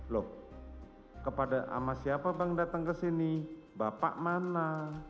loh kepada sama siapa bang datang kesini bapak mana